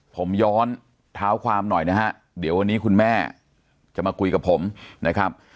ผมย้อนเท้าความหน่อยนะฮะเดี๋ยววันนี้คุณแม่จะมาคุยกับผมนะครับ